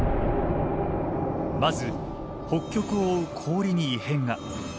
まず北極を覆う氷に異変が。